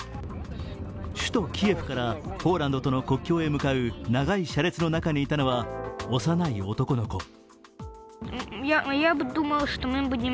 首都キエフからポーランドとの国境へ向かう長い車列の中にいたのは幼い男の子。